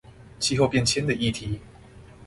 氣候變遷的議題